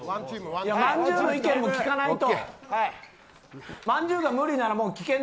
まんじゅうの意見も聞かないと。